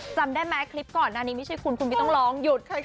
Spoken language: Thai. จำได้ไหมคลิปก่อนหน้านี้ไม่ใช่คุณคุณไม่ต้องร้องหยุด